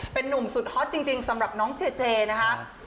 เป็นนุ่มสุดฮอตจริงสำหรับน้องเจเจนะคะ